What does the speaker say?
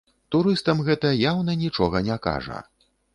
Турыстам гэта яўна нічога не кажа.